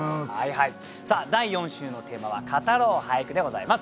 第４週のテーマは「語ろう俳句」でございます。